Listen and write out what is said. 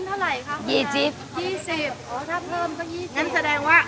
น้ำลายหมูผักเต๋ดตัวเนี้ยสร้างกินแล้ว